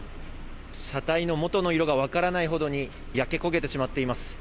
車体の元の色が分からないほど焼け焦げてしまっています。